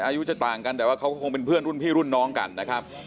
อายุจะต่างกันแต่ว่าเขาก็คงเป็นเพื่อนรุ่นพี่รุ่นน้องกันนะครับ